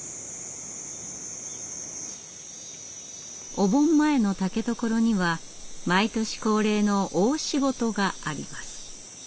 お盆前の竹所には毎年恒例の大仕事があります。